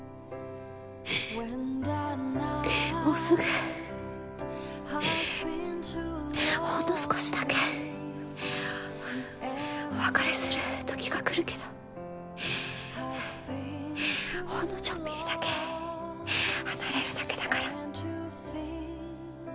もうすぐほんの少しだけお別れする時がくるけどほんのちょっぴりだけ離れるだけだから。